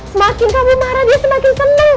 semakin kami marah dia semakin seneng